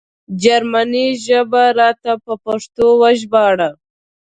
جرمنۍ ژبه راته په پښتو وژباړه